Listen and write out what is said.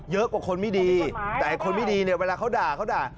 เยอะกว่าคนมิดีแต่คนมิดีเวลาเขาด่าเขาด่า